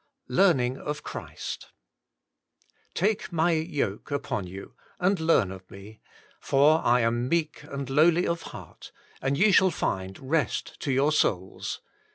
XVII LEARNING OF CHRIST "Take My yoke upon you and learn of Me: for I am meek and lowly of heart ; and ye shall find rest to your souls."